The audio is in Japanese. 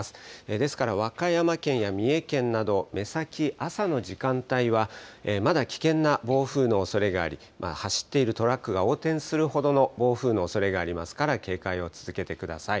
ですから、和歌山県や三重県など、目先、朝の時間帯は、まだ危険な暴風のおそれがあり、走っているトラックが横転するほどの暴風のおそれがありますから、警戒を続けてください。